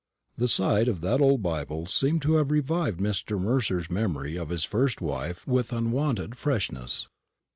The sight of that old Bible seemed to have revived Mr. Mercer's memory of his first wife with unwonted freshness.